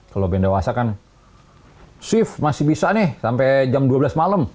kalau bendewasa kan shift masih bisa nih sampai jam dua belas malam